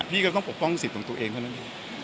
พี่ก็ต้องปกป้องสิทธิ์ของตัวเองเท่านั้นเอง